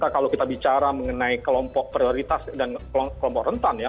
kalau kita bicara mengenai kelompok prioritas dan kelompok rentan ya